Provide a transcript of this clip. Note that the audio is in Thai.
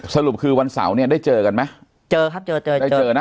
สรุปคือวันเสาร์เนี่ยได้เจอกันไหมเจอครับเจอเจอกันได้เจอนะ